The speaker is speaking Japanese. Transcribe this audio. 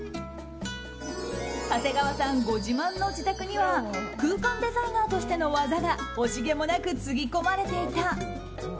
長谷川さんご自慢の自宅には空間デザイナーとしての技が惜しげもなくつぎ込まれていた。